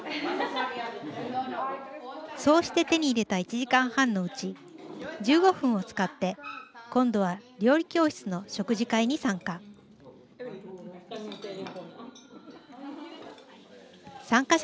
そうして手に入れた１時間半のうち１５分を使って今度は料理教室の食事会に参加。